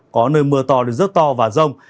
có nơi mưa to đến giấc to và rông